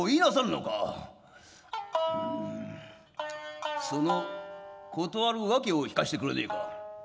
うんその断る訳を聞かせてくれねえか？」。